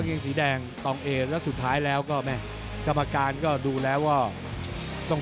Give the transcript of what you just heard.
หนักขั้งนั้นเลยนะกลางแล้วสุดท้ายแล้วก็ไม่กลับมาการก็ดูแล้วว่าต้อง